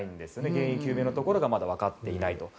原因究明のところがまだ分かっていない。